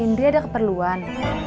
indrie ada keperluan